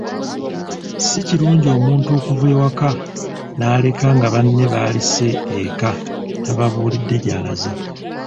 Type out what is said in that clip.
Si kirungi omuntu okuva ewaka n’aleka nga banne b'alese eka tababuulidde gy’alaze.